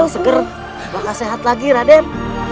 segera sehat lagi raden